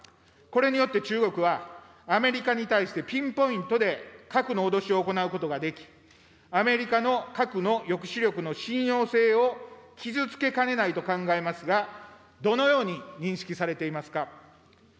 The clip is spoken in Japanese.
これによって中国は、アメリカに対してピンポイントで核の脅しを行うことができ、アメリカの核の抑止力の信用性を傷つけかねないと考えますが、どのように認識されていますか。